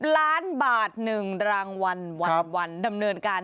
๑๐ล้านบาทหนึ่งรางวัลวันดำเนินการ